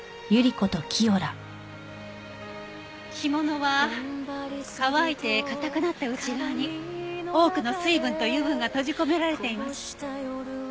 干物は乾いて硬くなった内側に多くの水分と油分が閉じ込められています。